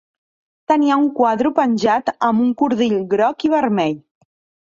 Tenia un quadro penjat amb un cordill groc i vermell.